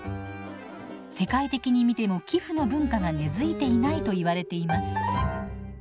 世界的に見ても寄付の文化が根づいていないといわれています。